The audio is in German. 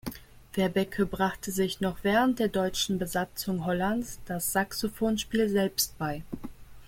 Verbeke brachte sich noch während der deutschen Besatzung Hollands das Saxophonspiel selbst bei.